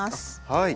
はい。